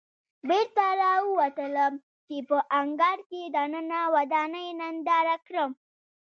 بېرته راووتلم چې په انګړ کې دننه ودانۍ ننداره کړم.